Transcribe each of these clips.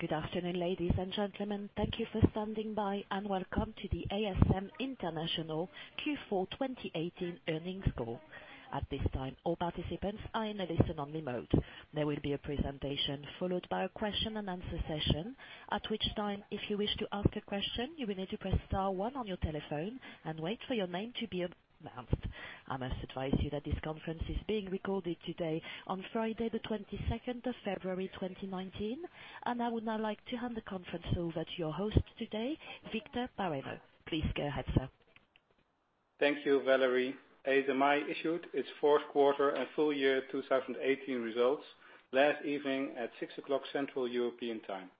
Good afternoon, ladies and gentlemen. Thank you for standing by, and welcome to the ASM International Q4 2018 earnings call. At this time, all participants are in a listen-only mode. There will be a presentation followed by a question and answer session, at which time, if you wish to ask a question, you will need to press star one on your telephone and wait for your name to be announced. I must advise you that this conference is being recorded today on Friday, the 22nd of February, 2019, and I would now like to hand the conference over to your host today, Victor Bareño. Please go ahead, sir. Thank you, Valerie. ASMI issued its fourth quarter and full year 2018 results last evening at 6:00 Central European time.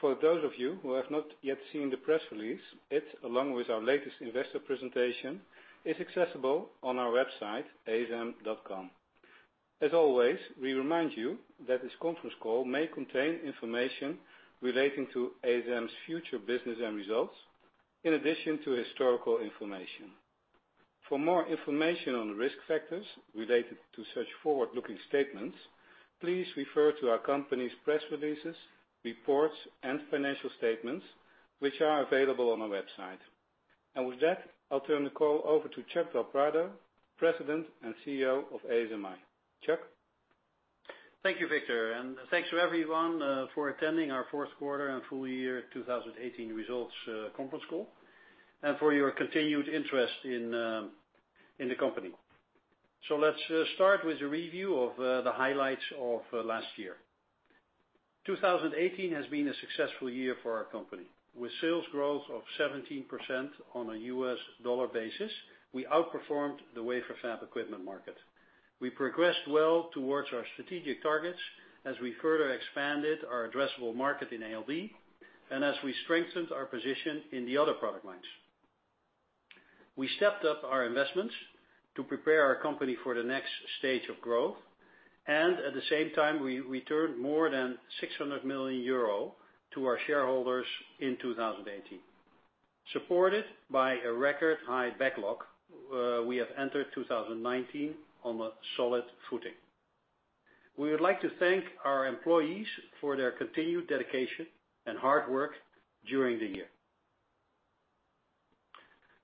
For those of you who have not yet seen the press release, it, along with our latest investor presentation, is accessible on our website, asm.com. As always, we remind you that this conference call may contain information relating to ASM's future business and results, in addition to historical information. For more information on the risk factors related to such forward-looking statements, please refer to our company's press releases, reports, and financial statements, which are available on our website. With that, I will turn the call over to Chuck del Prado, President and CEO of ASMI. Chuck? Thank you, Victor, and thanks to everyone, for attending our fourth quarter and full year 2018 results conference call, and for your continued interest in the company. Let's start with a review of the highlights of last year. 2018 has been a successful year for our company, with sales growth of 17% on a U.S. dollar basis, we outperformed the wafer fab equipment market. We progressed well towards our strategic targets as we further expanded our addressable market in ALD, and as we strengthened our position in the other product lines. We stepped up our investments to prepare our company for the next stage of growth, and at the same time, we returned more than 600 million euro to our shareholders in 2018. Supported by a record high backlog, we have entered 2019 on a solid footing. We would like to thank our employees for their continued dedication and hard work during the year.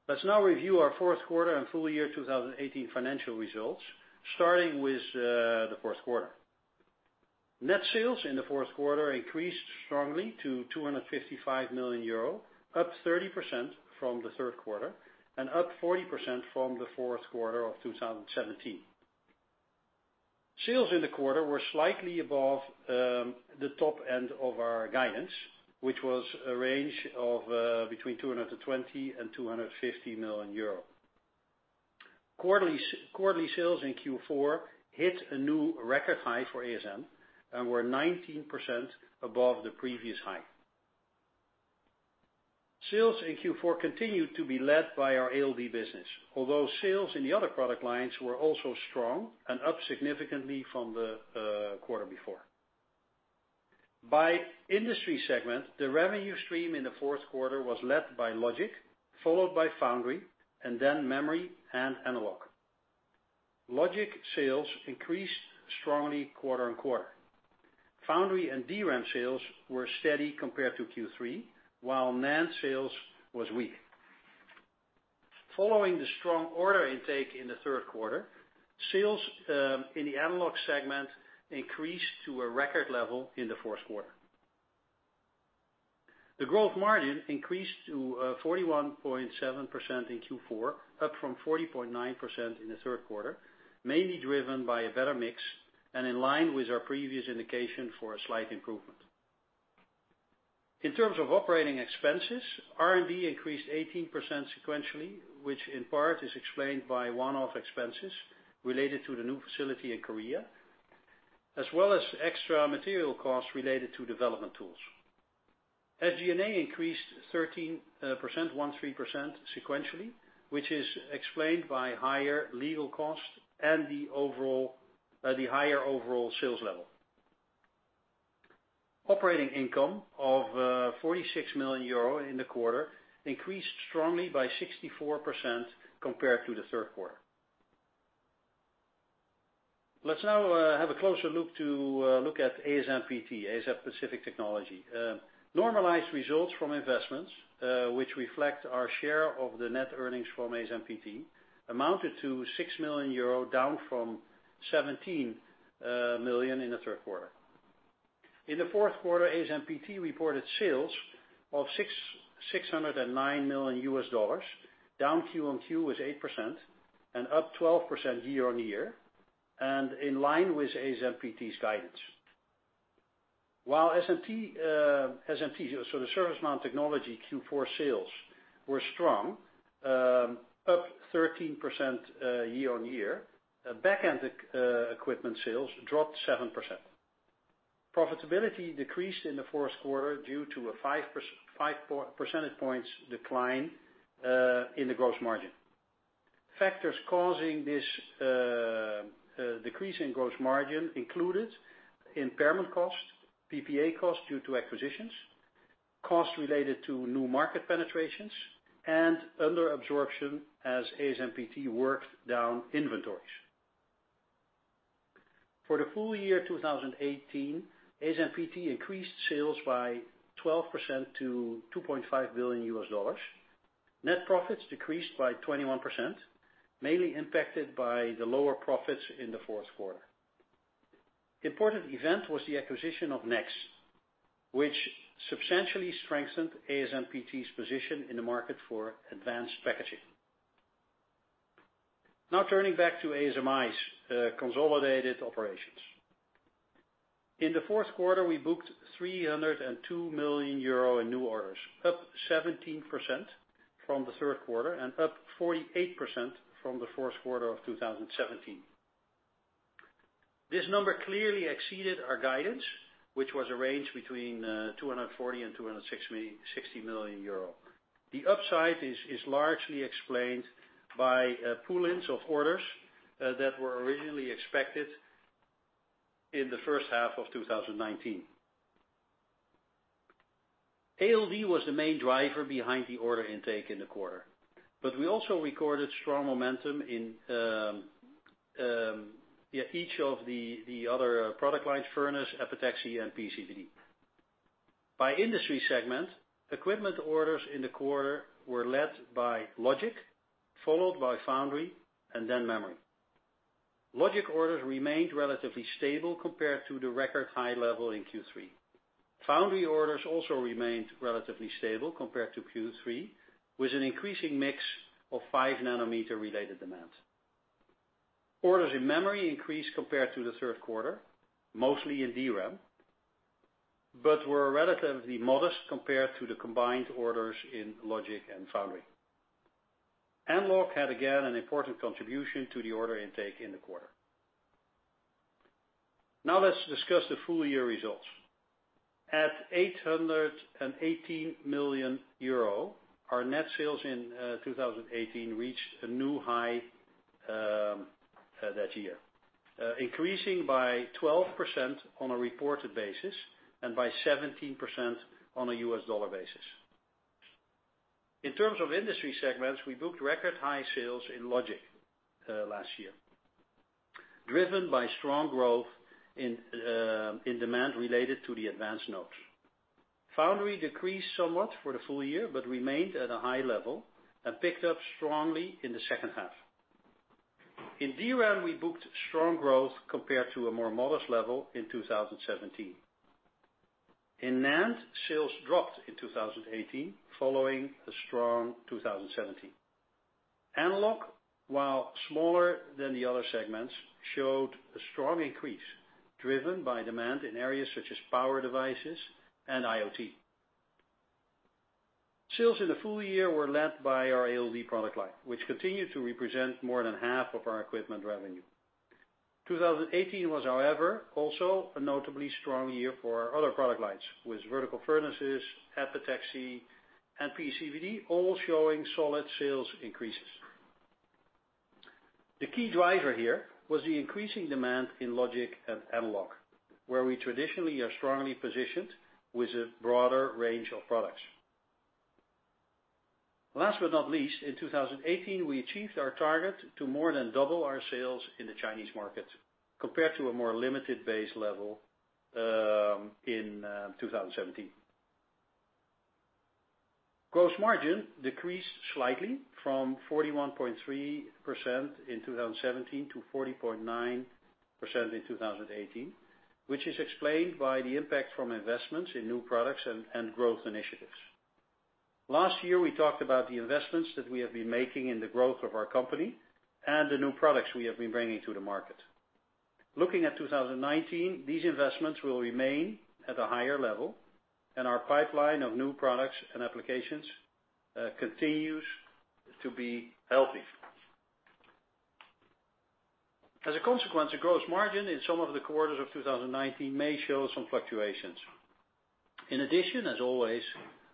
Let's now review our fourth quarter and full year 2018 financial results, starting with the fourth quarter. Net sales in the fourth quarter increased strongly to 255 million euro, up 30% from the third quarter, and up 40% from the fourth quarter of 2017. Sales in the quarter were slightly above the top end of our guidance, which was a range of between 220 million and 250 million euro. Quarterly sales in Q4 hit a new record high for ASM and were 19% above the previous high. Sales in Q4 continued to be led by our ALD business, although sales in the other product lines were also strong and up significantly from the quarter before. By industry segment, the revenue stream in the fourth quarter was led by logic, followed by foundry, and then memory and analog. Logic sales increased strongly quarter-on-quarter. Foundry and DRAM sales were steady compared to Q3, while NAND sales was weak. Following the strong order intake in the third quarter, sales in the analog segment increased to a record level in the fourth quarter. The gross margin increased to 41.7% in Q4, up from 40.9% in the third quarter, mainly driven by a better mix and in line with our previous indication for a slight improvement. In terms of operating expenses, R&D increased 18% sequentially, which in part is explained by one-off expenses related to the new facility in Korea, as well as extra material costs related to development tools. SG&A increased 13% sequentially, which is explained by higher legal costs and the higher overall sales level. Operating income of 46 million euro in the quarter increased strongly by 64% compared to the third quarter. Let's now have a closer look at ASMPT, ASM Pacific Technology. Normalized results from investments, which reflect our share of the net earnings from ASMPT, amounted to 6 million euro, down from 17 million in the third quarter. In the fourth quarter, ASMPT reported sales of $609 million, down Q-on-Q was 8% and up 12% year-on-year, and in line with ASMPT's guidance. While SMT, so the surface mount technology Q4 sales were strong, up 13% year-on-year. Back-end equipment sales dropped 7%. Profitability decreased in the fourth quarter due to a 5 percentage points decline in the gross margin. Factors causing this decrease in gross margin included impairment cost, PPA cost due to acquisitions, costs related to new market penetrations and under absorption as ASMPT works down inventories. For the full year 2018, ASMPT increased sales by 12% to $2.5 billion. Net profits decreased by 21%, mainly impacted by the lower profits in the fourth quarter. Important event was the acquisition of NEXX, which substantially strengthened ASMPT's position in the market for advanced packaging. Now turning back to ASMI's consolidated operations. In the fourth quarter, we booked 302 million euro in new orders, up 17% from the third quarter and up 48% from the first quarter of 2017. This number clearly exceeded our guidance, which was a range between 240 million and 260 million euro. The upside is largely explained by pull-ins of orders that were originally expected in the first half of 2019. ALD was the main driver behind the order intake in the quarter, but we also recorded strong momentum in each of the other product lines, furnace, epitaxy, and PECVD. By industry segment, equipment orders in the quarter were led by logic, followed by foundry, and then memory. Logic orders remained relatively stable compared to the record high level in Q3. Foundry orders also remained relatively stable compared to Q3, with an increasing mix of 5 nm related demand. Orders in memory increased compared to the third quarter, mostly in DRAM, but were relatively modest compared to the combined orders in logic and foundry. Analog had again an important contribution to the order intake in the quarter. Now let's discuss the full-year results. At 818 million euro, our net sales in 2018 reached a new high that year, increasing by 12% on a reported basis and by 17% on a U.S. dollar basis. In terms of industry segments, we booked record high sales in logic, last year, driven by strong growth in demand related to the advanced nodes. Foundry decreased somewhat for the full year but remained at a high level and picked up strongly in the second half. In DRAM, we booked strong growth compared to a more modest level in 2017. In NAND, sales dropped in 2018 following a strong 2017. Analog, while smaller than the other segments, showed a strong increase driven by demand in areas such as power devices and IoT. Sales in the full year were led by our ALD product line, which continued to represent more than half of our equipment revenue. 2018 was, however, also a notably strong year for our other product lines, with vertical furnaces, epitaxy, and PECVD all showing solid sales increases. The key driver here was the increasing demand in logic and analog, where we traditionally are strongly positioned with a broader range of products. Last but not least, in 2018, we achieved our target to more than double our sales in the Chinese market compared to a more limited base level in 2017. Gross margin decreased slightly from 41.3% in 2017 to 40.9% in 2018, which is explained by the impact from investments in new products and growth initiatives. Last year, we talked about the investments that we have been making in the growth of our company and the new products we have been bringing to the market. Looking at 2019, these investments will remain at a higher level, and our pipeline of new products and applications continues to be healthy. As a consequence, the gross margin in some of the quarters of 2019 may show some fluctuations. In addition, as always,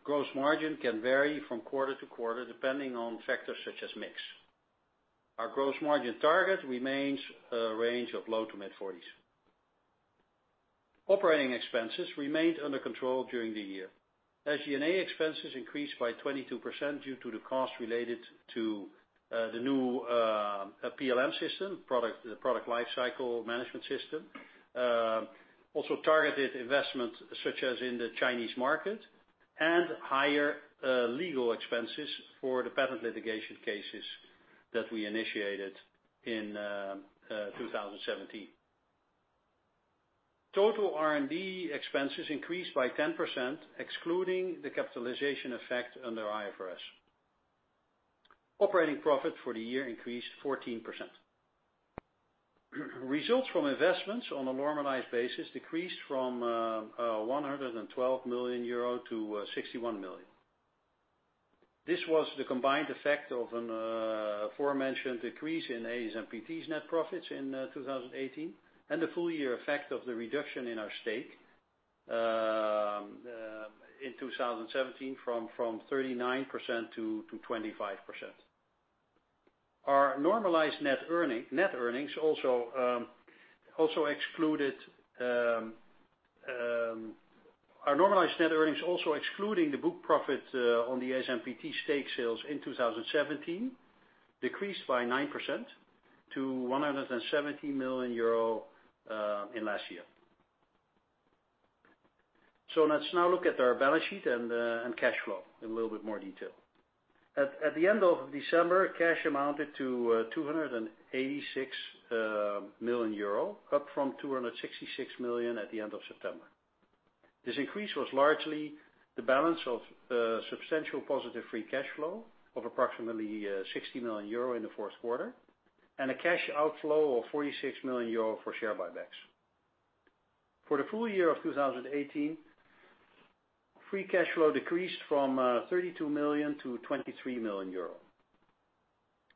gross margin can vary from quarter to quarter, depending on factors such as mix. Our gross margin target remains a range of low to mid-40s%. Operating expenses remained under control during the year. SG&A expenses increased by 22% due to the cost related to the new PLM system, product lifecycle management system, also targeted investments such as in the Chinese market, and higher legal expenses for the patent litigation cases that we initiated in 2017. Total R&D expenses increased by 10%, excluding the capitalization effect under IFRS. Operating profit for the year increased 14%. Results from investments on a normalized basis decreased from 112 million euro to 61 million. This was the combined effect of an aforementioned decrease in ASMPT's net profits in 2018 and the full-year effect of the reduction in our stake in 2017 from 39% to 25%. Our normalized net earnings also excluding the book profit on the ASMPT stake sales in 2017, decreased by 9% to 170 million euro in last year. Let's now look at our balance sheet and cash flow in a little bit more detail. At the end of December, cash amounted to 286 million euro, up from 266 million at the end of September. This increase was largely the balance of substantial positive free cash flow of approximately, 60 million euro in the fourth quarter, and a cash outflow of 46 million euro for share buybacks. For the full year of 2018, free cash flow decreased from 32 million to 23 million euro.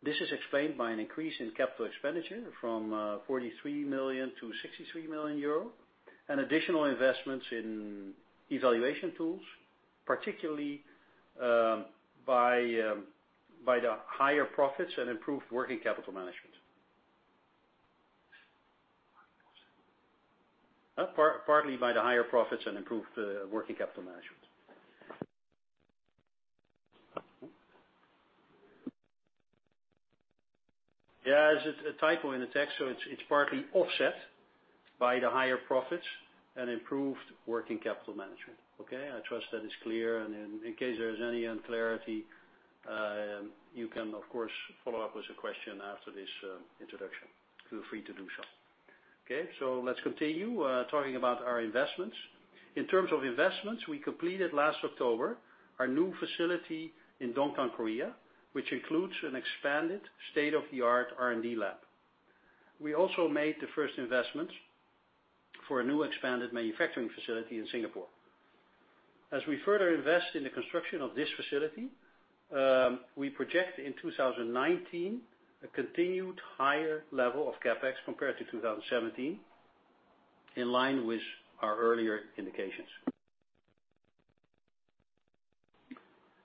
This is explained by an increase in capital expenditure from 43 million to 63 million euro, and additional investments in evaluation tools, particularly by the higher profits and improved working capital management. Okay. I trust that is clear, and in case there is any unclarity, you can, of course, follow up with a question after this introduction. Feel free to do so. Let's continue talking about our investments. In terms of investments, we completed last October our new facility in Dongtan, Korea, which includes an expanded state-of-the-art R&D lab. We also made the first investments for a new expanded manufacturing facility in Singapore. As we further invest in the construction of this facility, we project in 2019 a continued higher level of CapEx compared to 2017, in line with our earlier indications.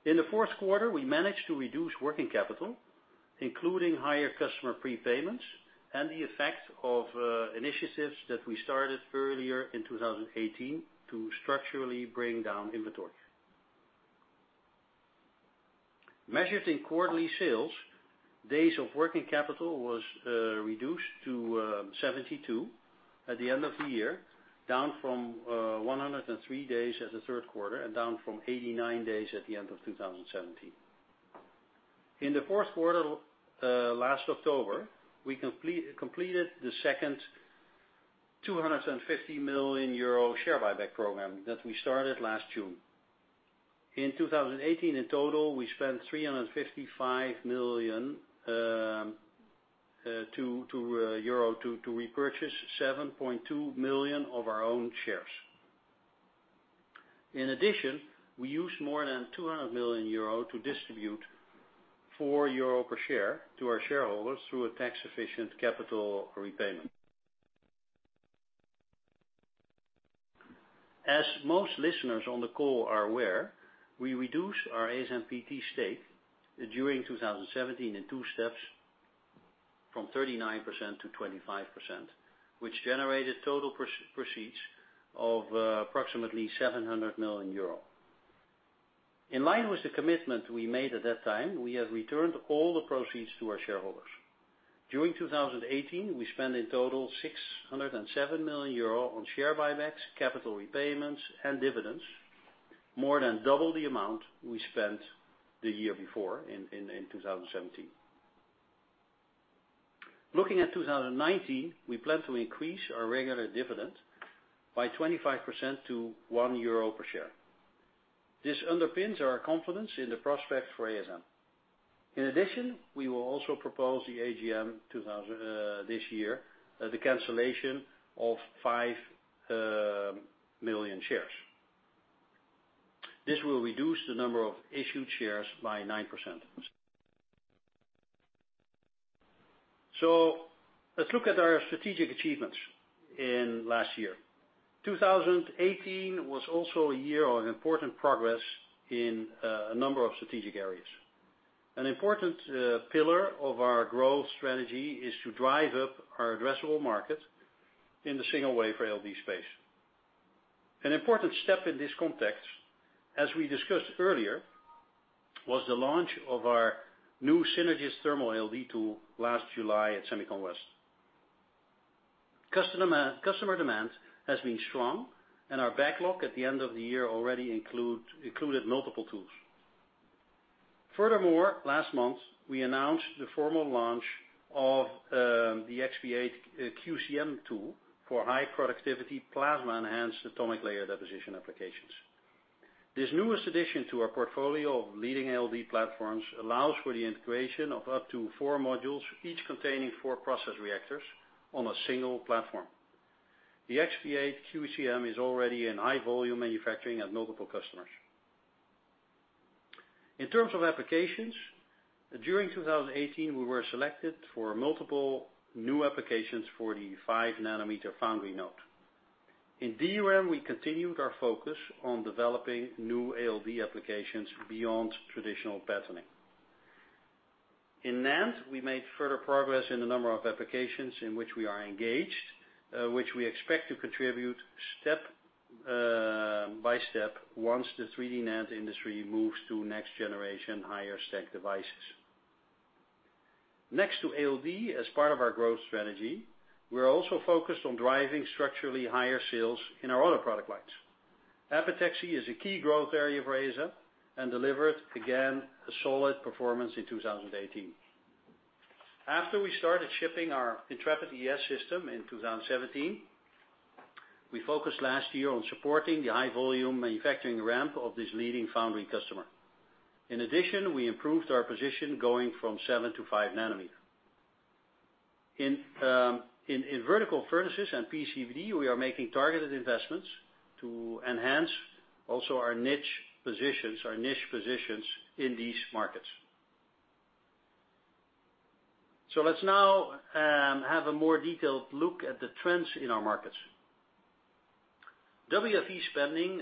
In the fourth quarter, we managed to reduce working capital, including higher customer prepayments and the effect of initiatives that we started earlier in 2018 to structurally bring down inventory. Measured in quarterly sales, days of working capital was reduced to 72 at the end of the year, down from 103 days at the third quarter and down from 89 days at the end of 2017. In the fourth quarter, last October, we completed the second 250 million euro share buyback program that we started last June. In 2018, in total, we spent 355 million to repurchase 7.2 million of our own shares. In addition, we used more than 200 million euro to distribute 4 euro per share to our shareholders through a tax-efficient capital repayment. As most listeners on the call are aware, we reduced our ASMPT stake during 2017 in two steps from 39% to 25%, which generated total proceeds of approximately 700 million euro. In line with the commitment we made at that time, we have returned all the proceeds to our shareholders. During 2018, we spent in total 607 million euro on share buybacks, capital repayments, and dividends, more than double the amount we spent the year before in 2017. Looking at 2019, we plan to increase our regular dividend by 25% to 1 euro per share. This underpins our confidence in the prospect for ASM. In addition, we will also propose the AGM this year, the cancellation of 5 million shares. This will reduce the number of issued shares by 9%. Let's look at our strategic achievements in last year. 2018 was also a year of important progress in a number of strategic areas. An important pillar of our growth strategy is to drive up our addressable market in the single wafer ALD space. An important step in this context, as we discussed earlier, was the launch of our new Synergis thermal ALD tool last July at SEMICON West. Customer demand has been strong, and our backlog at the end of the year already included multiple tools. Furthermore, last month, we announced the formal launch of the XP8 QCM tool for high productivity plasma-enhanced atomic layer deposition applications. This newest addition to our portfolio of leading ALD platforms allows for the integration of up to four modules, each containing four process reactors on a single platform. The XP8 QCM is already in high volume manufacturing at multiple customers. In terms of applications, during 2018, we were selected for multiple new applications for the 5 nm foundry node. In DRAM, we continued our focus on developing new ALD applications beyond traditional patterning. In NAND, we made further progress in a number of applications in which we are engaged, which we expect to contribute step by step once the 3D NAND industry moves to next generation higher stack devices. Next to ALD, as part of our growth strategy, we're also focused on driving structurally higher sales in our other product lines. Epitaxy is a key growth area for ASM and delivered again, a solid performance in 2018. After we started shipping our Intrepid ES system in 2017, we focused last year on supporting the high volume manufacturing ramp of this leading foundry customer. In addition, we improved our position going from 7 nm to 5 nm. In vertical furnaces and PECVD, we are making targeted investments to enhance also our niche positions in these markets. Let's now have a more detailed look at the trends in our markets. WFE spending,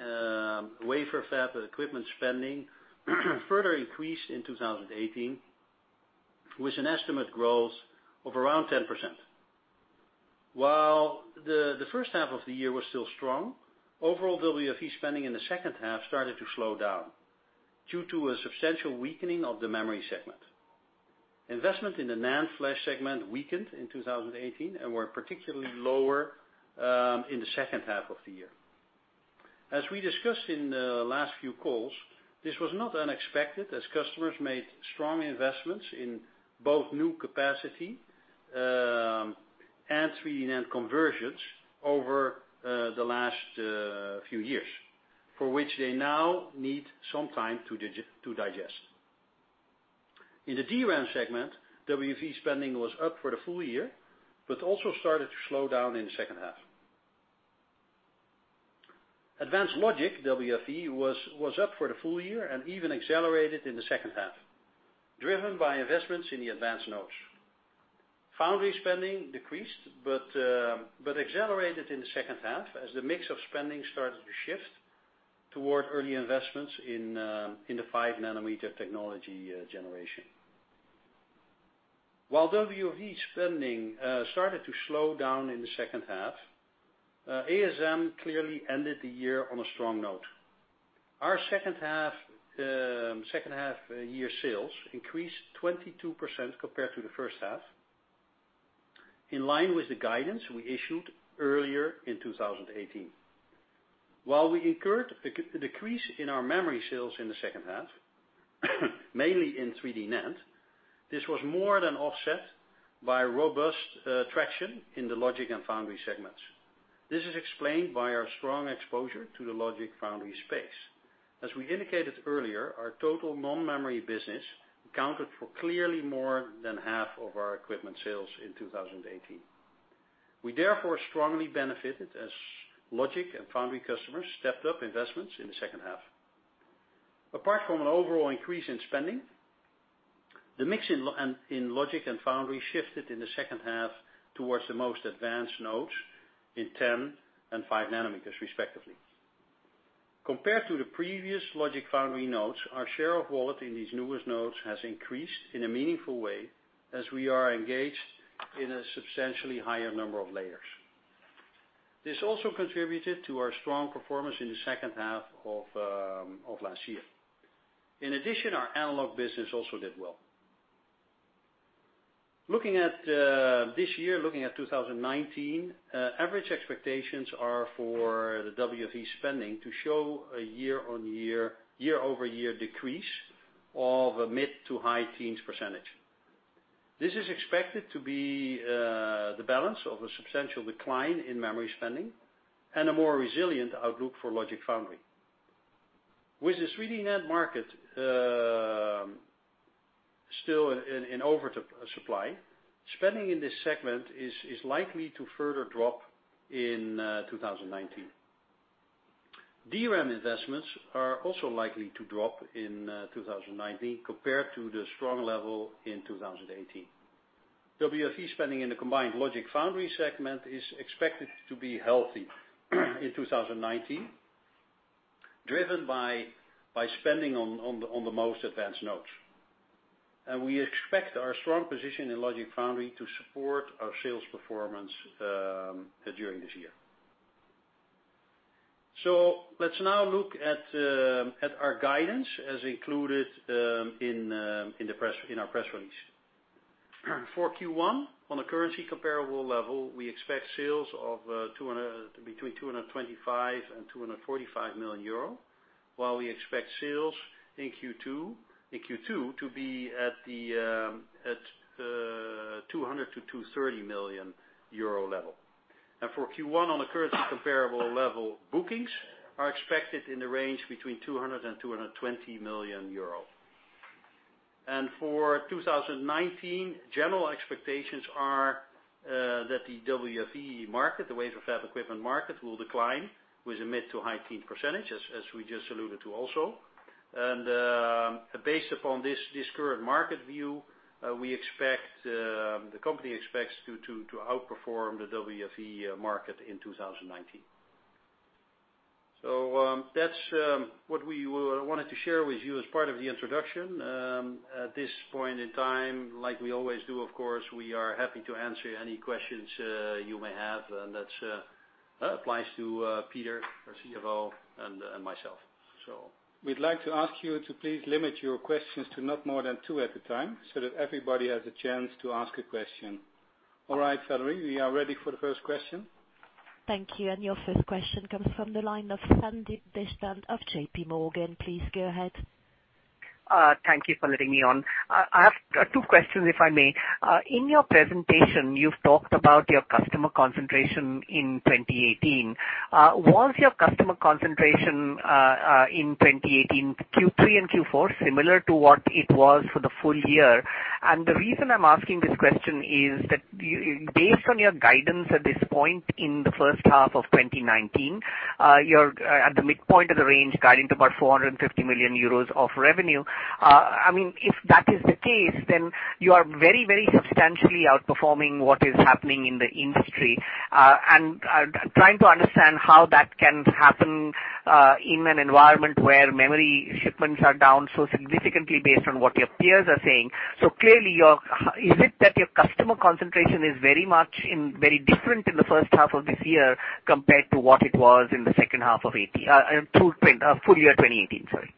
wafer fab equipment spending, further increased in 2018 with an estimate growth of around 10%. While the first half of the year was still strong, overall WFE spending in the second half started to slow down due to a substantial weakening of the memory segment. Investment in the NAND flash segment weakened in 2018 and were particularly lower in the second half of the year. As we discussed in the last few calls, this was not unexpected as customers made strong investments in both new capacity and 3D NAND conversions over the last few years, for which they now need some time to digest. In the DRAM segment, WFE spending was up for the full year, but also started to slow down in the second half. Advanced logic WFE was up for the full year and even accelerated in the second half, driven by investments in the advanced nodes. Foundry spending decreased, but accelerated in the second half as the mix of spending started to shift toward early investments in the 5 nm technology generation. While WFE spending started to slow down in the second half, ASM clearly ended the year on a strong note. Our second half year sales increased 22% compared to the first half, in line with the guidance we issued earlier in 2018. While we incurred a decrease in our memory sales in the second half, mainly in 3D NAND, this was more than offset by robust traction in the logic and foundry segments. This is explained by our strong exposure to the logic foundry space. As we indicated earlier, our total non-memory business accounted for clearly more than half of our equipment sales in 2018. We therefore strongly benefited as logic and foundry customers stepped up investments in the second half. Apart from an overall increase in spending, the mix in logic and foundry shifted in the second half towards the most advanced nodes in 10 nm and 5 nm respectively. Compared to the previous logic foundry nodes, our share of wallet in these newest nodes has increased in a meaningful way as we are engaged in a substantially higher number of layers. This also contributed to our strong performance in the second half of last year. In addition, our analog business also did well. Looking at this year, looking at 2019, average expectations are for the WFE spending to show a year-over-year decrease of a mid to high teens percentage. This is expected to be the balance of a substantial decline in memory spending and a more resilient outlook for logic foundry. With this 3D NAND market still in oversupply, spending in this segment is likely to further drop in 2019. DRAM investments are also likely to drop in 2019 compared to the strong level in 2018. WFE spending in the combined logic foundry segment is expected to be healthy in 2019, driven by spending on the most advanced nodes. We expect our strong position in logic foundry to support our sales performance during this year. Let's now look at our guidance as included in our press release. For Q1, on a currency comparable level, we expect sales of between 225 million and 245 million euro, while we expect sales in Q2 to be at 200 million-230 million euro level. For Q1, on a currency comparable level, bookings are expected in the range between 200 million euro and 220 million euros. For 2019, general expectations are that the WFE market, the wafer fab equipment market, will decline with a mid to high teens percentage, as we just alluded to also. Based upon this current market view, the company expects to outperform the WFE market in 2019. That's what we wanted to share with you as part of the introduction. At this point in time, like we always do, of course, we are happy to answer any questions you may have, and that applies to Peter, our CFO, and myself. We'd like to ask you to please limit your questions to not more than two at a time so that everybody has a chance to ask a question. All right, Valerie, we are ready for the first question. Thank you. Your first question comes from the line of Sandeep Deshpande of JPMorgan. Please go ahead. Thank you for letting me on. I have two questions, if I may. In your presentation, you've talked about your customer concentration in 2018. Was your customer concentration in 2018, Q3 and Q4, similar to what it was for the full year? The reason I'm asking this question is that based on your guidance at this point in the first half of 2019, you're at the midpoint of the range, guiding to about 450 million euros of revenue. If that is the case, then you are very substantially outperforming what is happening in the industry. I'm trying to understand how that can happen, in an environment where memory shipments are down so significantly based on what your peers are saying. Clearly, is it that your customer concentration is very different in the first half of this year compared to what it was in the full year of 2018? Sorry.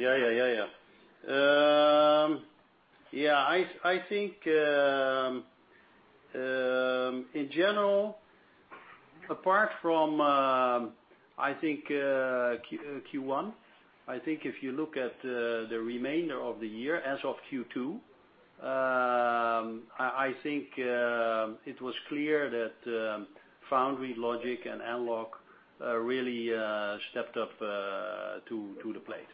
Yeah. I think, in general, apart from Q1, I think if you look at the remainder of the year as of Q2, I think it was clear that foundry, logic and analog really stepped up to the plate.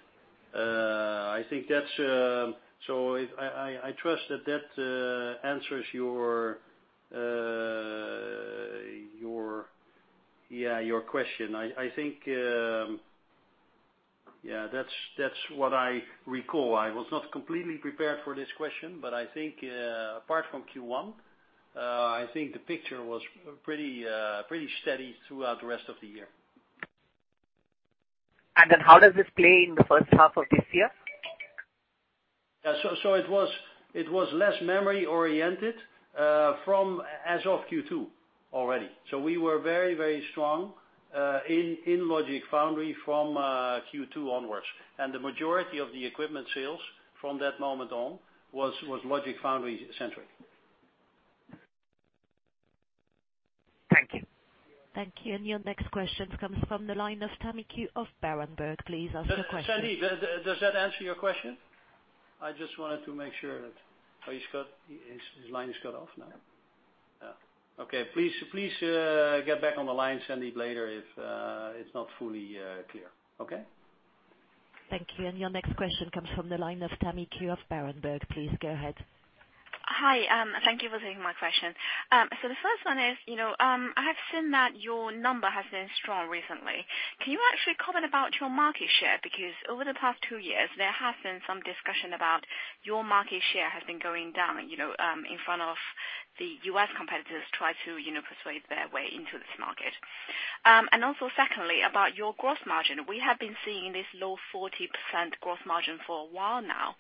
I trust that answers your question. That's what I recall. I was not completely prepared for this question, but I think apart from Q1, the picture was pretty steady throughout the rest of the year. How does this play in the first half of this year? It was less memory-oriented as of Q2 already. We were very strong in logic foundry from Q2 onwards. The majority of the equipment sales from that moment on was logic foundry-centric. Thank you. Thank you. Your next question comes from the line of Tammy Qiu of Berenberg. Please ask your question. Sandeep, does that answer your question? I just wanted to make sure that He's cut. His line is cut off now? Yeah. Okay. Please get back on the line, Sandeep, later if it's not fully clear. Okay? Thank you. Your next question comes from the line of Tammy Qiu of Berenberg. Please go ahead. Hi. Thank you for taking my question. The first one is, I have seen that your number has been strong recently. Can you actually comment about your market share? Over the past two years, there has been some discussion about your market share has been going down, in front of the U.S. competitors try to persuade their way into this market. Also secondly, about your gross margin. We have been seeing this low 40% gross margin for a while now.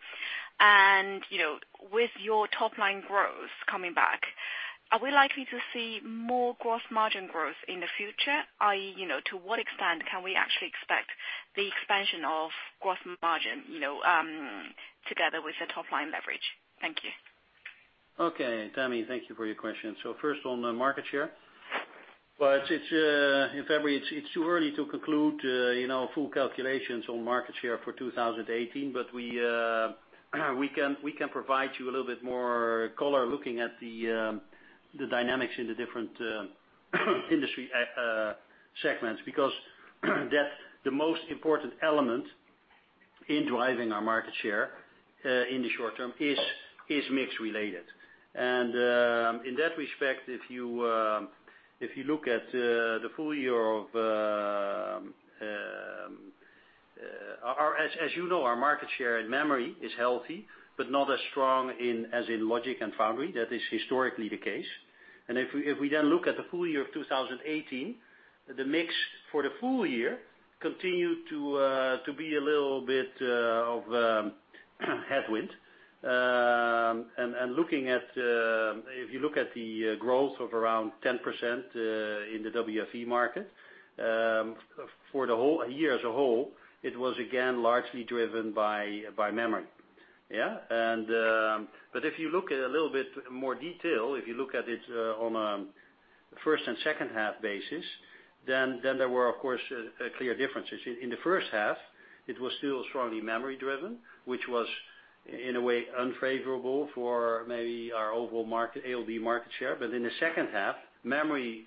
With your top-line growth coming back, are we likely to see more gross margin growth in the future? I.e., to what extent can we actually expect the expansion of gross margin, together with the top-line leverage? Thank you. Okay. Tammy, thank you for your question. First on the market share. Well, Tammy, it is too early to conclude full calculations on market share for 2018. We can provide you a little bit more color looking at the dynamics in the different industry segments, because the most important element in driving our market share in the short term is mix-related. In that respect, if you look at the full year of As you know, our market share in memory is healthy, but not as strong as in logic and foundry. That is historically the case. If we then look at the full year of 2018, the mix for the full year continued to be a little bit of a headwind. If you look at the growth of around 10% in the WFE market, for the year as a whole, it was again largely driven by memory. If you look at a little bit more detail, if you look at it on a first-and-second-half basis, then there were, of course, clear differences. In the first half, it was still strongly memory-driven, which was in a way unfavorable for maybe our overall ALD market share. In the second half, memory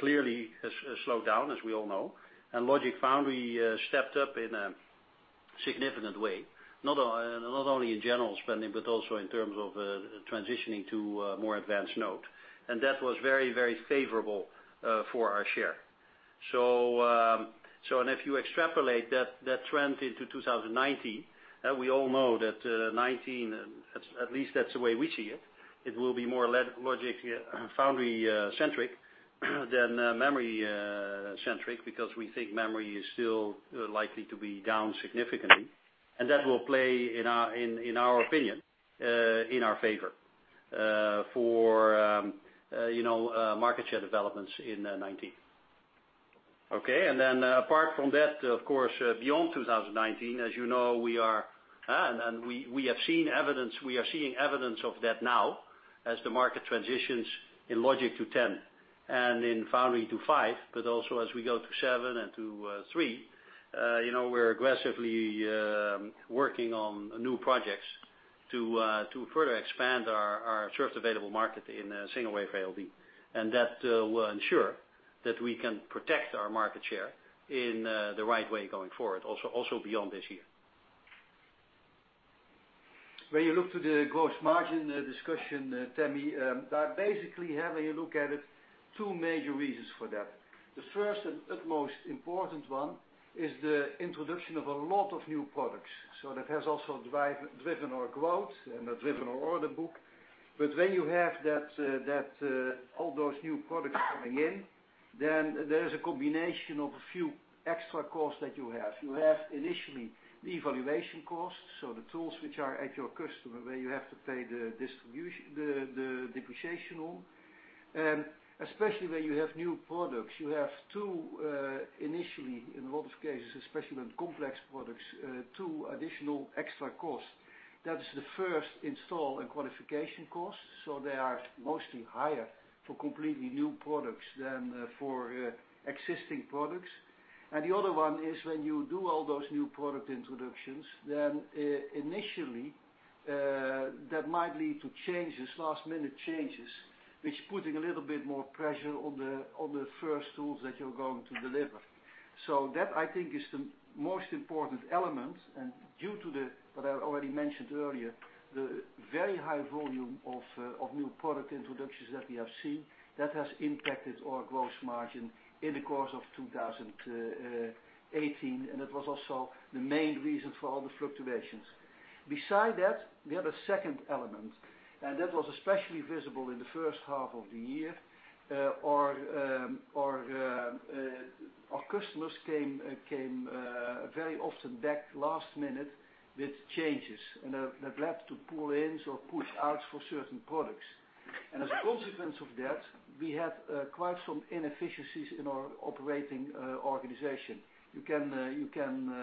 clearly has slowed down, as we all know. Logic foundry stepped up in a significant way. Not only in general spending, but also in terms of transitioning to more advanced node. That was very favorable for our share. If you extrapolate that trend into 2019, we all know that 2019, at least that's the way we see it will be more logic foundry-centric than memory-centric, because we think memory is still likely to be down significantly. That will play, in our opinion, in our favor for market share developments in 2019. Okay. Then apart from that, of course, beyond 2019, as you know, we are seeing evidence of that now as the market transitions in logic to 10 nm and in foundry to 5 nm, but also as we go to 7 nm and to 3 nm. We are aggressively working on new projects to further expand our served available market in single-wafer ALD, that will ensure that we can protect our market share in the right way going forward, also beyond this year. When you look to the gross margin discussion, Tammy, basically having a look at it, two major reasons for that. The first and utmost important one is the introduction of a lot of new products. That has also driven our growth and driven our order book. When you have all those new products coming in, then there is a combination of a few extra costs that you have. You have initially the evaluation costs, so the tools which are at your customer, where you have to pay the depreciation on. Especially when you have new products, you have two initially, in a lot of cases, especially on complex products, two additional extra costs. That's the first install and qualification costs. They are mostly higher for completely new products than for existing products. The other one is when you do all those new product introductions, initially, that might lead to changes, last-minute changes, which putting a little bit more pressure on the first tools that you're going to deliver. That, I think, is the most important element. Due to what I already mentioned earlier, the very high volume of new product introductions that we have seen, that has impacted our gross margin in the course of 2018, and that was also the main reason for all the fluctuations. Beside that, we have a second element. That was especially visible in the first half of the year. Our customers came very often back last-minute with changes, that led to pull-ins or push-outs for certain products. As a consequence of that, we had quite some inefficiencies in our operating organization. You can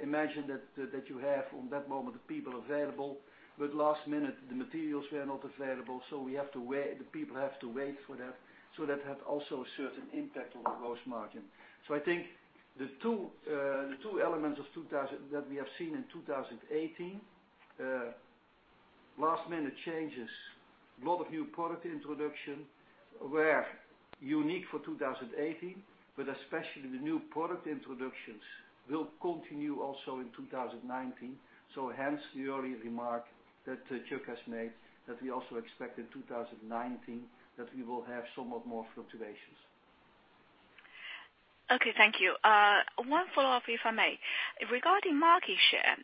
imagine that you have, on that moment, the people available, but last-minute, the materials were not available, so the people have to wait for that. That had also a certain impact on the gross margin. I think the two elements that we have seen in 2018, last-minute changes, a lot of new product introduction, were unique for 2018, but especially the new product introductions will continue also in 2019. Hence the early remark that Chuck has made, that we also expect in 2019, that we will have somewhat more fluctuations. Okay. Thank you. One follow-up, if I may. Regarding market share,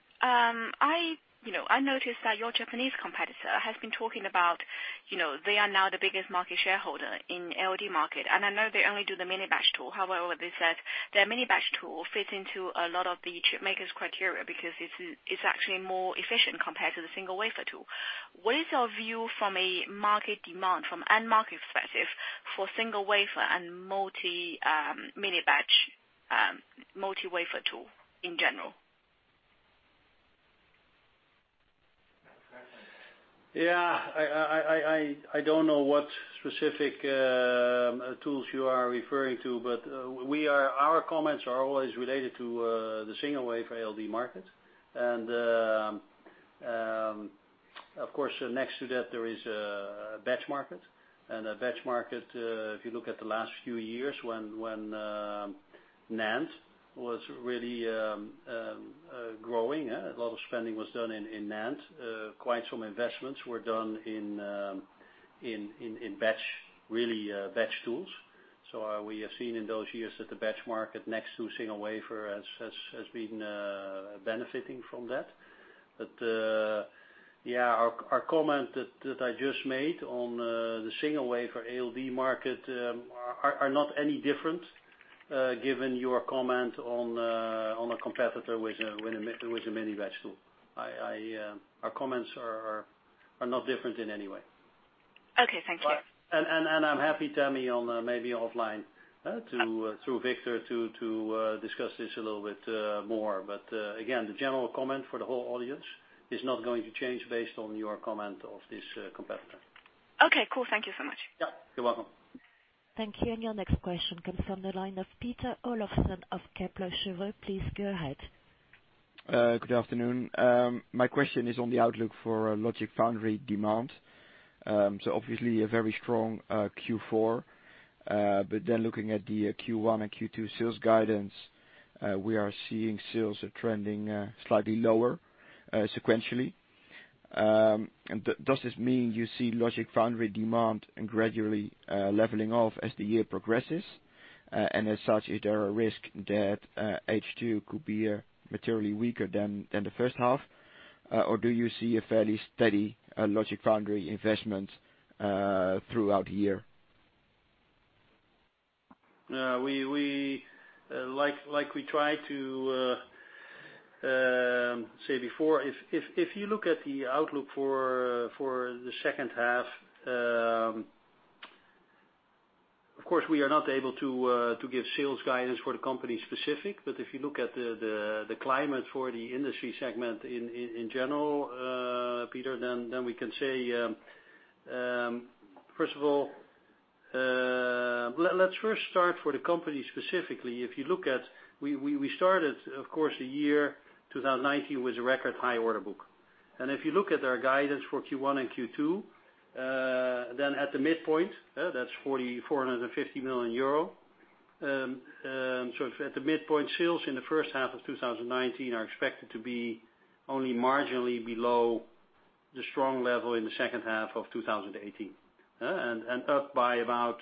I noticed that your Japanese competitor has been talking about they are now the biggest market shareholder in the ALD market, and I know they only do the mini batch tool. However, they said their mini batch tool fits into a lot of the chip makers' criteria because it's actually more efficient compared to the single-wafer tool. What is your view from a market demand from end market perspective for single-wafer and multi-mini batch, multi-wafer tool in general? Yeah. I don't know what specific tools you are referring to, but our comments are always related to the single-wafer ALD market. Of course, next to that, there is a batch market. A batch market, if you look at the last few years when NAND was really growing, a lot of spending was done in NAND. Quite some investments were done in batch tools. We have seen in those years that the batch market next to single wafer has been benefiting from that. Yeah, our comment that I just made on the single-wafer ALD market are not any different, given your comment on a competitor with a mini batch tool. Our comments are not different in any way. Okay. Thank you. I'm happy, Tammy, on maybe offline, through Victor, to discuss this a little bit more. Again, the general comment for the whole audience is not going to change based on your comment of this competitor. Okay, cool. Thank you so much. Yeah. You're welcome. Thank you. Your next question comes from the line of Peter Olofsen of Kepler Cheuvreux. Please go ahead. Good afternoon. My question is on the outlook for logic foundry demand. Obviously a very strong Q4. Looking at the Q1 and Q2 sales guidance, we are seeing sales are trending slightly lower sequentially. Does this mean you see logic foundry demand gradually leveling off as the year progresses? As such, is there a risk that H2 could be materially weaker than the first half? Do you see a fairly steady logic foundry investment throughout the year? Like we tried to say before, if you look at the outlook for the second half, of course, we are not able to give sales guidance for the company specific, but if you look at the climate for the industry segment in general, Peter, we can say, first of all, let's first start for the company specifically. If you look at, we started, of course, the year 2019 with a record high order book. If you look at our guidance for Q1 and Q2, at the midpoint, that's 450 million euro. If at the midpoint, sales in the first half of 2019 are expected to be only marginally below the strong level in the second half of 2018. Up by about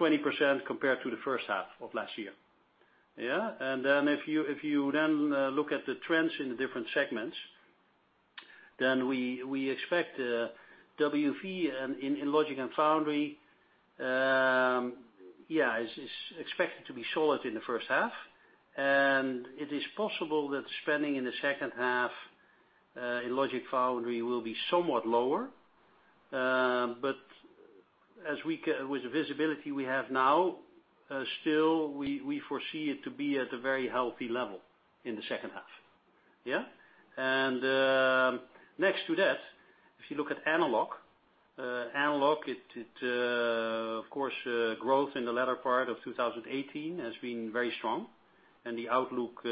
20% compared to the first half of last year. If you look at the trends in the different segments, we expect WFE in logic and foundry, it's expected to be solid in the first half. It is possible that spending in the second half in logic foundry will be somewhat lower. With the visibility we have now, still we foresee it to be at a very healthy level in the second half. Next to that, if you look at analog. Analog, of course, growth in the latter part of 2018 has been very strong, the outlook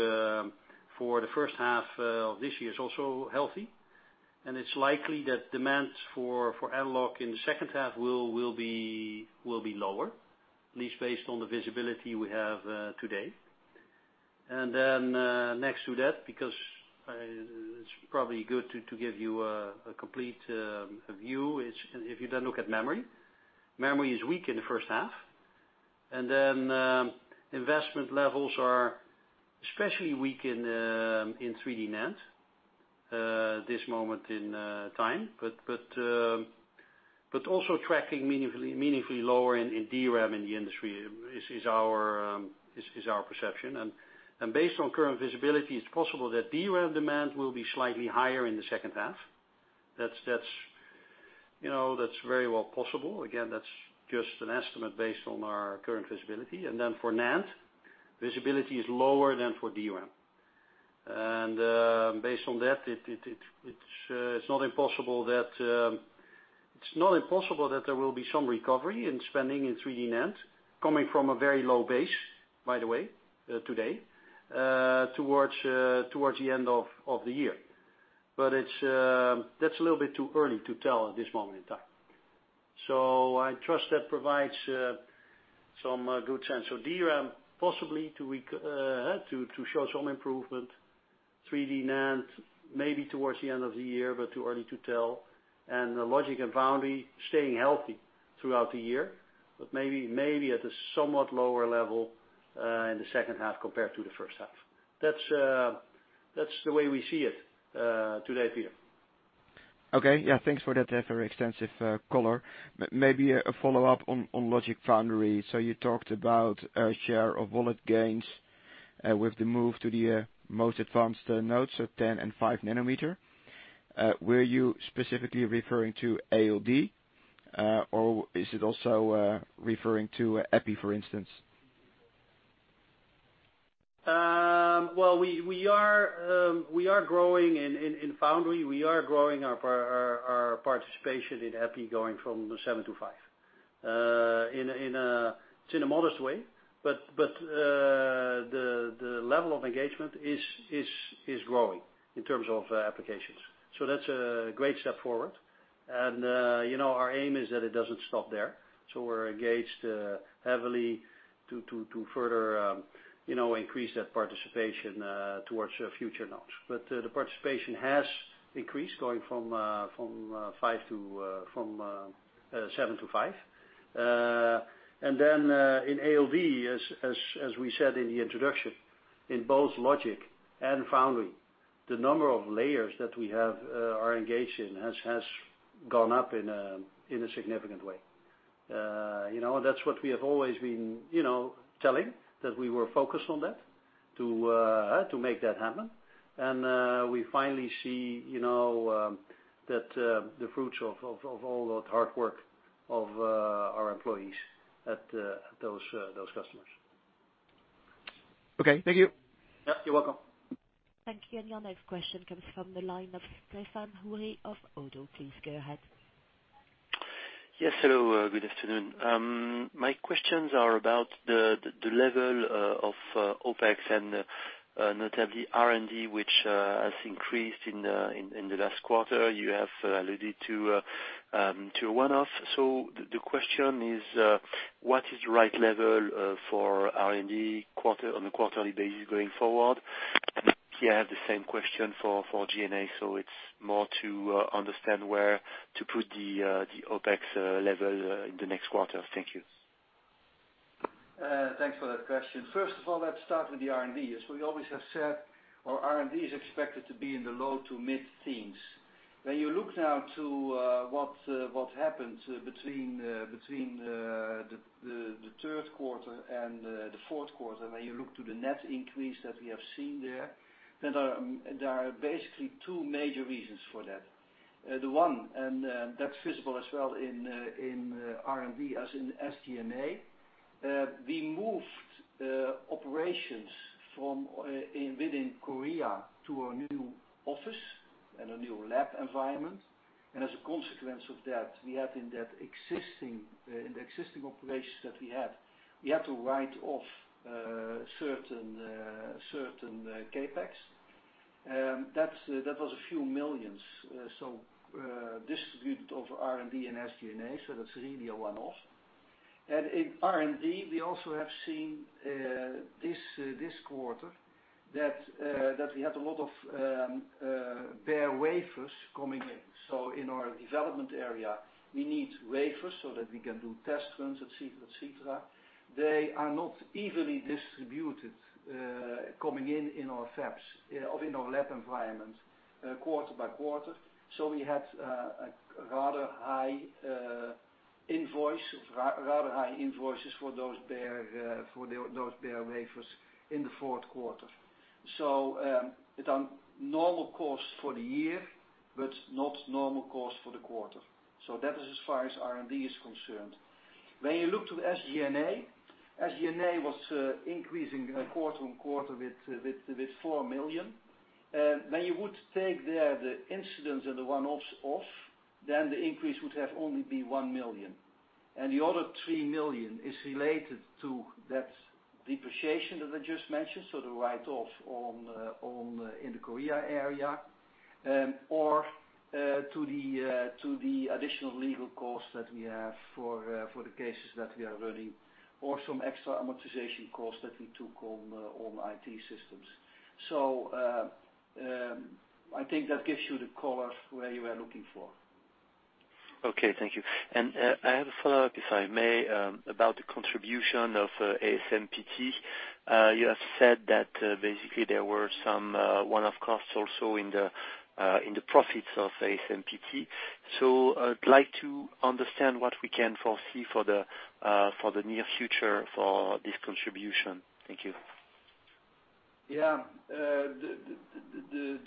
for the first half of this year is also healthy. It's likely that demands for analog in the second half will be lower, at least based on the visibility we have today. Next to that, because it's probably good to give you a complete view, if you look at memory. Memory is weak in the first half, investment levels are especially weak in 3D NAND, this moment in time. Also tracking meaningfully lower in DRAM in the industry is our perception. Based on current visibility, it's possible that DRAM demand will be slightly higher in the second half. That's very well possible. Again, that's just an estimate based on our current visibility. For NAND, visibility is lower than for DRAM. Based on that, it's not impossible that there will be some recovery in spending in 3D NAND, coming from a very low base, by the way, today, towards the end of the year. That's a little bit too early to tell at this moment in time. I trust that provides some good sense. DRAM, possibly to show some improvement, 3D NAND, maybe towards the end of the year, but too early to tell. Logic and foundry, staying healthy throughout the year, but maybe at a somewhat lower level, in the second half compared to the first half. That's the way we see it today, Peter. Okay. Yeah, thanks for that very extensive color. Maybe a follow-up on logic foundry. You talked about share of wallet gains with the move to the most advanced nodes of 10 nm and 5 nm. Were you specifically referring to ALD? Or is it also referring to Epi, for instance? Well, we are growing in foundry. We are growing our participation in Epi, going from 7 nm to 5 nm. It's in a modest way, but the level of engagement is growing in terms of applications. That's a great step forward. Our aim is that it doesn't stop there. We're engaged heavily to further increase that participation towards future nodes. The participation has increased, going from 7 nm to 5 nm. In ALD, as we said in the introduction, in both logic and foundry, the number of layers that we have, are engaged in, has gone up in a significant way. That's what we have always been telling, that we were focused on that, to make that happen. We finally see the fruits of all that hard work of our employees at those customers. Okay. Thank you. Yeah. You're welcome. Thank you. Your next question comes from the line of Stéphane Houri of ODDO. Please go ahead. Yes. Hello, good afternoon. My questions are about the level of OpEx and notably R&D, which has increased in the last quarter. You have alluded to a one-off. The question is, what is the right level for R&D on a quarterly basis going forward? Here I have the same question for G&A, so it's more to understand where to put the OpEx level in the next quarter. Thank you. Thanks for that question. First of all, let's start with the R&D. As we always have said, our R&D is expected to be in the low to mid teens. When you look now to what happened between the third quarter and the fourth quarter, when you look to the net increase that we have seen there are basically two major reasons for that. The one, and that's visible as well in R&D as in SG&A, we moved operations from within Korea to a new office and a new lab environment. As a consequence of that, we had in the existing operations that we had, we had to write off certain CapEx. That was a few millions. Distributed over R&D and SG&A, that's really a one-off. In R&D, we also have seen this quarter that we had a lot of bare wafers coming in. In our development area, we need wafers so that we can do test runs, et cetera. They are not evenly distributed, coming in in our fabs or in our lab environment quarter by quarter. We had rather high invoices for those bare wafers in the fourth quarter. It's a normal cost for the year, but not normal cost for the quarter. That is as far as R&D is concerned. When you look to SG&A, SG&A was increasing quarter-on-quarter with 4 million. When you would take there the incidents and the one-offs off, then the increase would have only be 1 million. The other 3 million is related to that depreciation that I just mentioned. The write-off in the Korea area, or to the additional legal costs that we have for the cases that we are running or some extra amortization costs that we took on IT systems. I think that gives you the color where you are looking for. Okay, thank you. I have a follow-up, if I may, about the contribution of ASMPT. You have said that basically there were some one-off costs also in the profits of ASMPT. I'd like to understand what we can foresee for the near future for this contribution. Thank you. Yeah. The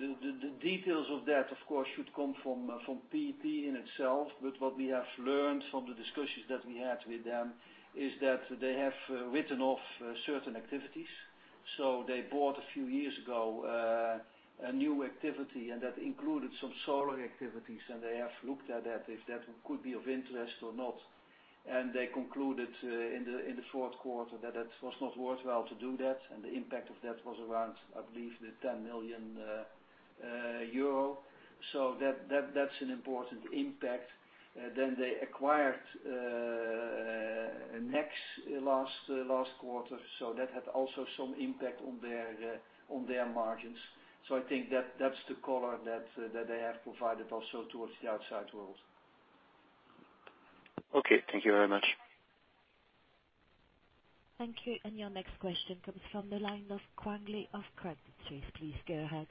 details of that, of course, should come from PT in itself. What we have learned from the discussions that we had with them is that they have written off certain activities. They bought, a few years ago, a new activity, and that included some solar activities, and they have looked at that, if that could be of interest or not. They concluded in the fourth quarter that it was not worthwhile to do that, and the impact of that was around, I believe, the 10 million euro. That's an important impact. They acquired NEXX last quarter, that had also some impact on their margins. I think that's the color that they have provided also towards the outside world. Okay. Thank you very much. Thank you. Your next question comes from the line of Quang Le of Credit Suisse. Please go ahead.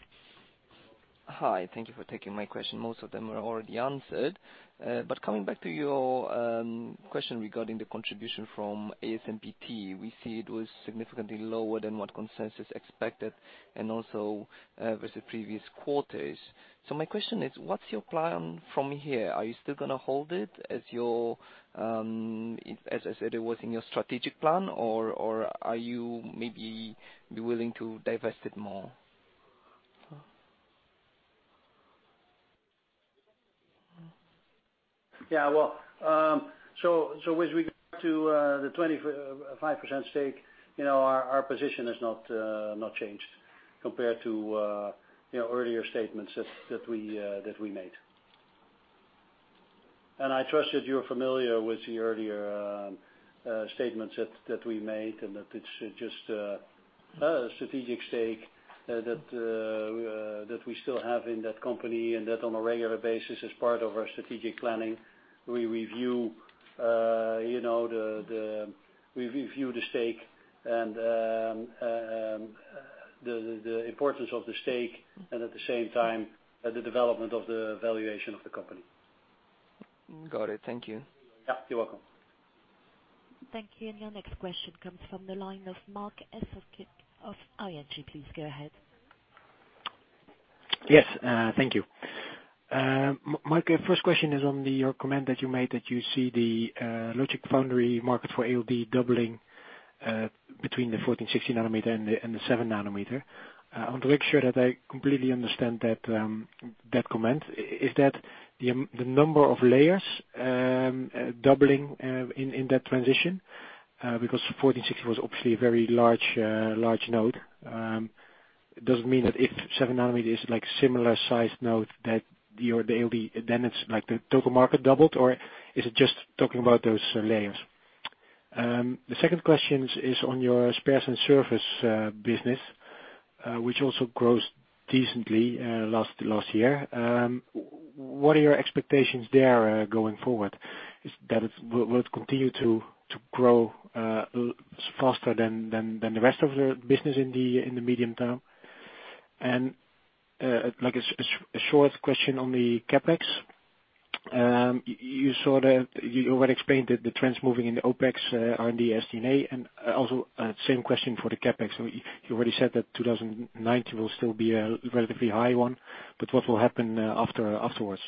Hi. Thank you for taking my question. Most of them were already answered. Coming back to your question regarding the contribution from ASMPT. We see it was significantly lower than what consensus expected and also versus previous quarters. My question is, what's your plan from here? Are you still going to hold it as I said, it was in your strategic plan, or are you maybe willing to divest it more? Yeah. As we go to the 25% stake, our position has not changed compared to earlier statements that we made. I trust that you're familiar with the earlier statements that we made, and that it's just a strategic stake that we still have in that company and that on a regular basis as part of our strategic planning, we review the stake and the importance of the stake, and at the same time, the development of the valuation of the company. Got it. Thank you. Yeah. You're welcome. Thank you. Your next question comes from the line of Marc Hesselink of ING. Please go ahead. Yes. Thank you. Marc, first question is on the comment that you made that you see the logic foundry market for ALD doubling Between the 14 nm, 16 nm and the 7 nm. I want to make sure that I completely understand that comment. Is that the number of layers doubling in that transition? Because 14 nm, 16 nm was obviously a very large node. Does it mean that if 7 nm is similar size node, then it's like the total market doubled, or is it just talking about those layers? The second question is on your spares and service business, which also grows decently last year. What are your expectations there going forward? Will it continue to grow faster than the rest of the business in the medium term? A short question on the CapEx. You already explained that the trends moving in the OpEx are in the SG&A, also same question for the CapEx. You already said that 2019 will still be a relatively high one, what will happen afterwards?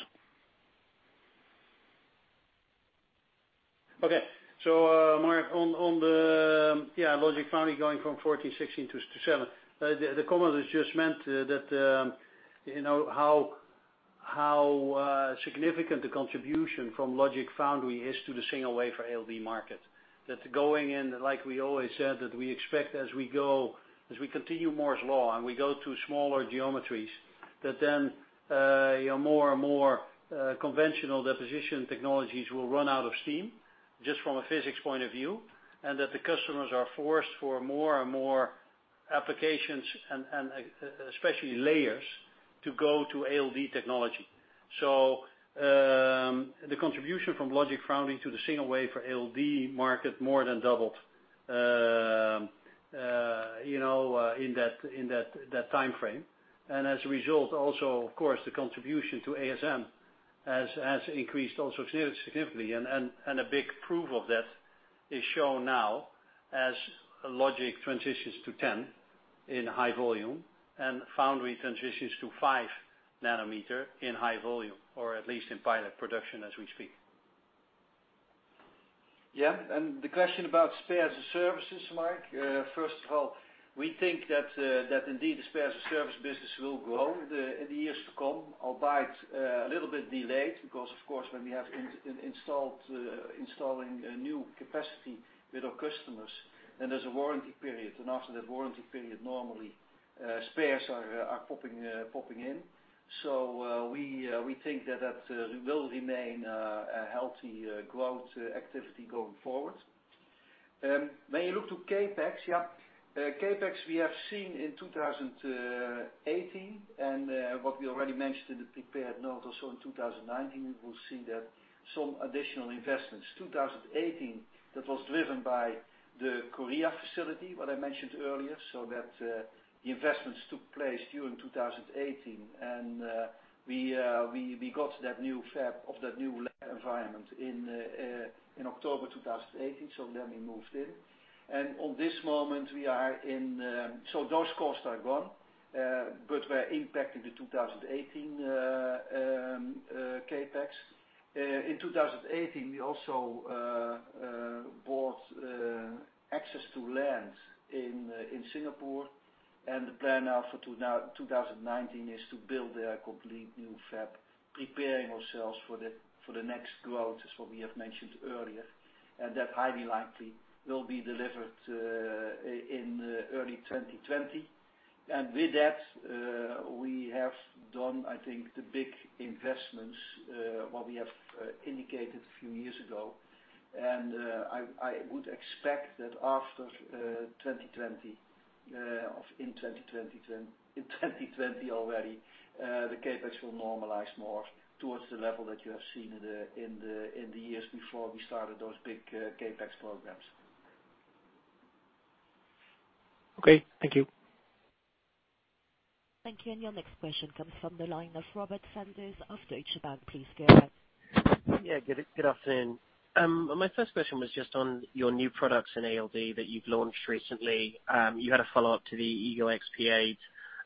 Okay. Marc, on the logic foundry going from 14 nm, 16 nm to 7nm. The comment just meant that how significant the contribution from logic foundry is to the single wafer ALD market. That going in, like we always said, that we expect as we continue Moore's Law and we go to smaller geometries, that then more and more conventional deposition technologies will run out of steam, just from a physics point of view, and that the customers are forced for more and more applications, and especially layers, to go to ALD technology. The contribution from logic foundry to the single wafer ALD market more than doubled in that time frame. As a result, also, of course, the contribution to ASM has increased also significantly. A big proof of that is shown now as logic transitions to 10 nm in high volume, foundry transitions to 5 nm in high volume, or at least in pilot production as we speak. The question about spares and services, Marc. First of all, we think that indeed the spares and service business will grow in the years to come, albeit a little bit delayed, because of course, when we are installing a new capacity with our customers, then there is a warranty period. After that warranty period, normally spares are popping in. We think that will remain a healthy growth activity going forward. When you look to CapEx, we have seen in 2018, what we already mentioned in the prepared notes, also in 2019, we will see some additional investments. 2018, that was driven by the Korea facility, what I mentioned earlier, so that the investments took place during 2018. We got that new fab of that new lab environment in October 2018. We moved in. On this moment, those costs are gone, but were impacting the 2018 CapEx. In 2018, we also bought access to land in Singapore, and the plan now for 2019 is to build a complete new fab, preparing ourselves for the next growth, as what we have mentioned earlier. That highly likely will be delivered in early 2020. With that, we have done, I think, the big investments, what we have indicated a few years ago. I would expect that after 2020, or in 2020 already, the CapEx will normalize more towards the level that you have seen in the years before we started those big CapEx programs. Okay. Thank you. Thank you. Your next question comes from the line of Robert Sanders of Deutsche Bank. Please go ahead. Yeah. Good afternoon. My first question was just on your new products in ALD that you've launched recently. You had a follow-up to the Eagle XP8,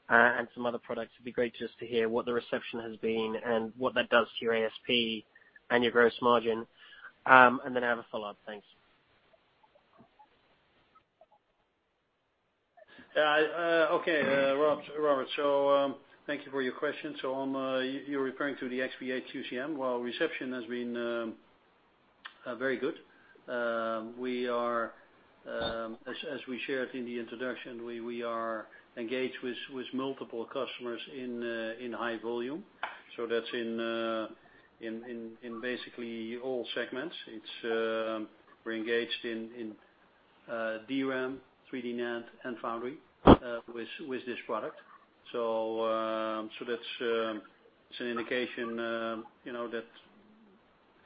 and some other products. It'd be great just to hear what the reception has been and what that does to your ASP and your gross margin. Then I have a follow-up. Thanks. Yeah. Okay. Robert, thank you for your question. You're referring to the XP8 QCM. Well, reception has been very good. As we shared in the introduction, we are engaged with multiple customers in high volume. That's in basically all segments. We're engaged in DRAM, 3D NAND, and foundry with this product. That's an indication that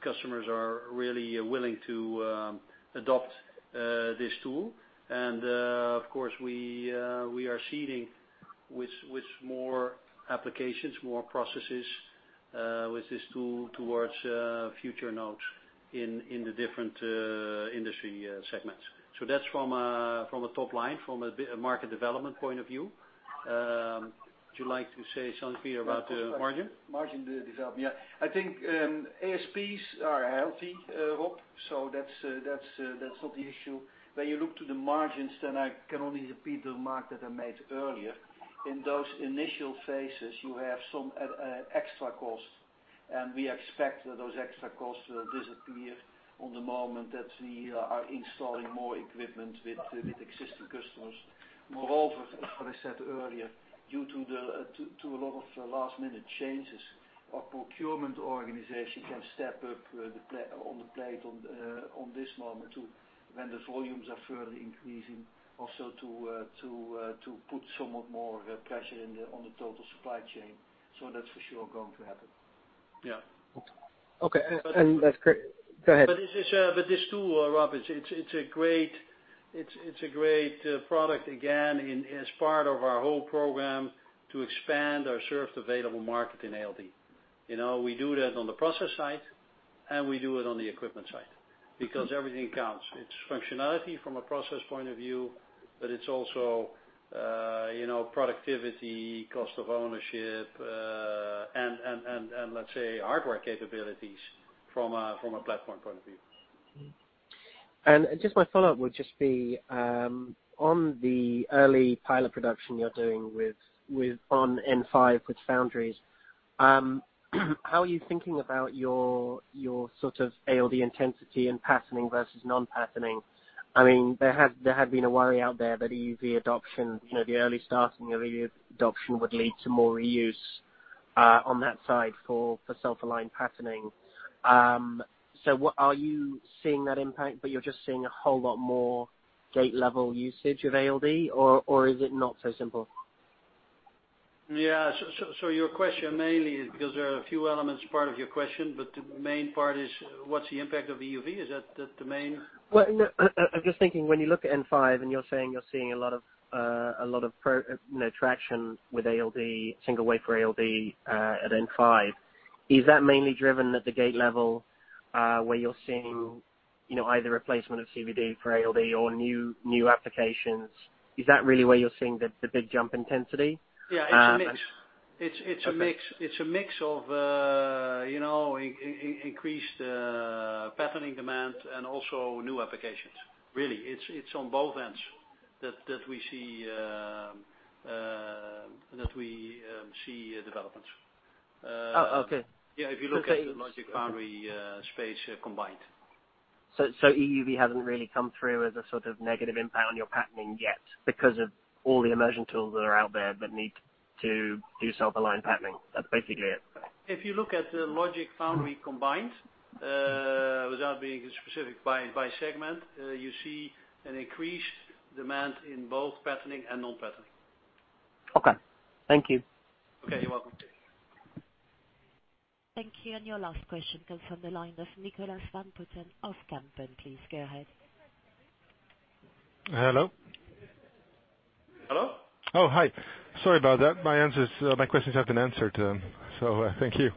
customers are really willing to adopt this tool. Of course, we are seeding with more applications, more processes, with this tool towards future nodes in the different industry segments. That's from a top line, from a market development point of view. Would you like to say something, Peter, about the margin? Margin development, yeah. I think ASPs are healthy, Rob, that's not the issue. When you look to the margins, I can only repeat the remark that I made earlier. In those initial phases, you have some extra costs, we expect that those extra costs will disappear on the moment that we are installing more equipment with existing customers. Moreover, as I said earlier, due to a lot of last-minute changes, our procurement organization can step up on the plate on this moment when the volumes are further increasing, also to put somewhat more pressure on the total supply chain. That's for sure going to happen. Yeah. Okay. That's great. Go ahead. This tool, Rob, it's a great product, again, as part of our whole program to expand our served available market in ALD. We do that on the process side, and we do it on the equipment side, because everything counts. It's functionality from a process point of view, but it's also productivity, cost of ownership, and let's say, hardware capabilities from a platform point of view. My follow-up would just be, on the early pilot production you're doing on N5 with foundries, how are you thinking about your ALD intensity and patterning versus non-patterning? There had been a worry out there that EUV adoption, the early starting of EUV adoption would lead to more reuse on that side for self-aligned patterning. Are you seeing that impact, but you're just seeing a whole lot more gate level usage of ALD, or is it not so simple? Yeah. Your question mainly, because there are a few elements part of your question, but the main part is what's the impact of EUV? No. I'm just thinking, when you look at N5 and you're saying you're seeing a lot of traction with ALD, single wafer ALD at N5, is that mainly driven at the gate level, where you're seeing either replacement of CVD for ALD or new applications? Is that really where you're seeing the big jump intensity? Yeah, it's a mix. Okay. It's a mix of increased patterning demand and also new applications. Really, it's on both ends that we see developments. Okay. Yeah. If you look at the logic foundry space combined. EUV hasn't really come through as a sort of negative impact on your patterning yet because of all the immersion tools that are out there that need to do self-aligned patterning. That's basically it. If you look at the logic foundry combined, without being specific by segment, you see an increased demand in both patterning and non-patterning. Okay. Thank you. Okay, you're welcome. Thank you. Your last question comes from the line of Nigel van Putten of Kempen. Please go ahead. Hello? Hello? Oh, hi. Sorry about that. My questions have been answered. Thank you.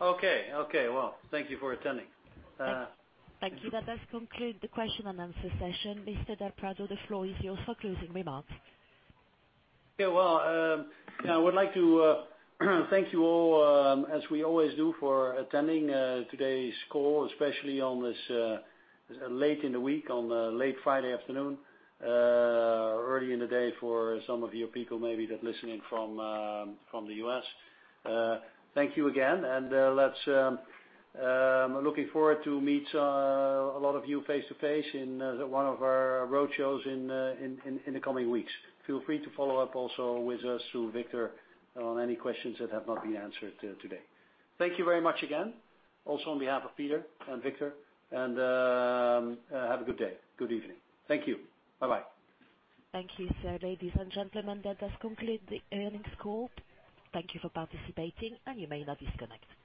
Okay. Well, thank you for attending. Thank you. That does conclude the question and answer session. Mr. del Prado, the floor is yours for closing remarks. Well, I would like to thank you all, as we always do, for attending today's call, especially on this late in the week, on a late Friday afternoon, early in the day for some of you people maybe that listen in from the U.S. Thank you again. Looking forward to meet a lot of you face-to-face in one of our roadshows in the coming weeks. Feel free to follow up also with us through Victor on any questions that have not been answered today. Thank you very much again, also on behalf of Peter and Victor. Have a good day. Good evening. Thank you. Bye-bye. Thank you, sir. Ladies and gentlemen, that does conclude the earnings call. Thank you for participating. You may now disconnect.